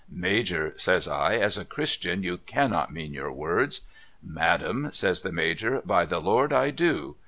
* Major ' I says ' as a Christian you cannot mean your wordv,' ' Madam ' says the Major ' by the IvOrd I do